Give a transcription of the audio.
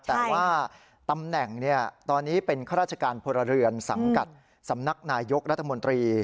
แต่ว่าตำแหน่งตอนนี้เป็นข้าราชการพลเรือนสังกัดสำนักนายยกรัฐมนตรี